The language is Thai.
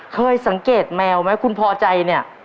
เคยสังเกตแมวไหมคุณพอใจเนี่ย